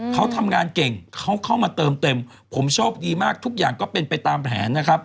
เขาทำงานเก่งเขาเข้ามาเติมเต็มผมโชคดีมากทุกอย่างก็เป็นไปตามแผนนะครับ